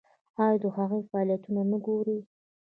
ایا د هغوی فعالیتونه ګورئ؟